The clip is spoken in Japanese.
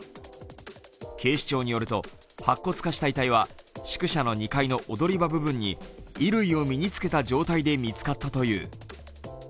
警視庁によると、白骨化した遺体は宿舎の２階の踊り場部分で衣類を身につけた状態で見つかったという。